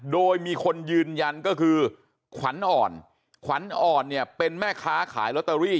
โดยมีคนยืนยันก็คือขวัญอ่อนขวัญอ่อนเนี่ยเป็นแม่ค้าขายลอตเตอรี่